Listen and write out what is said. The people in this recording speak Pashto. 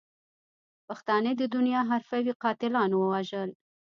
پښتانه د دنیا حرفوي قاتلاتو وژل.